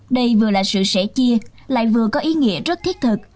đây vừa là sự sẻ chia lại vừa có ý nghĩa rất thiết thực